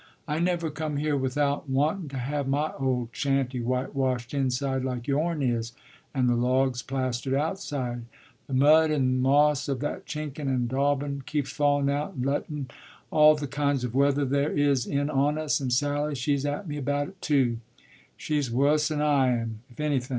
I never come here without wantun' to have my old shanty whitewashed inside like yourn is, and the logs plastered outside; the mud and moss of that chinkun' and daubun' keeps fallun' out, and lettun' all the kinds of weather there is in on us, and Sally she's at me about it, too; she's wuss'n I am, if anything.